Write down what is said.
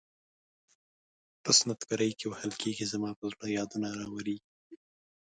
په سنت ګرۍ کې وهل کیږي زما پر زړه یادونه راوریږي.